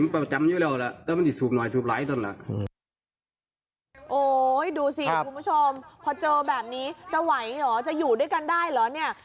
พอเจอแบบนี้จะไหวเหรอจะอยู่ด้วยกันได้เหรอเนี่ย